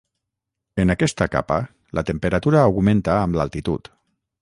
En aquesta capa la temperatura augmenta amb l'altitud.